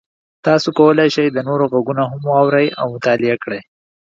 تاسو کولی شئ د نورو غږونه هم واورئ او مطالعه کړئ.